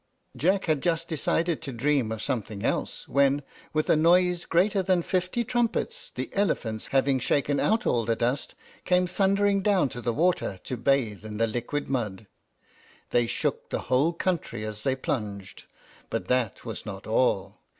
Jack had just decided to dream of something else, when, with a noise greater than fifty trumpets, the elephants, having shaken out all the dust, came thundering down to the water to bathe in the liquid mud. They shook the whole country as they plunged; but that was not all.